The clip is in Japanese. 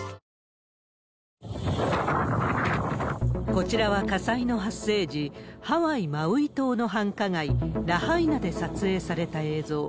こちらは火災の発生時、ハワイ・マウイ島の繁華街、ラハイナで撮影された映像。